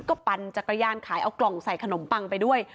ก็ปั่นจักรยานขายเอากล่องใส่ขนมปังไปด้วย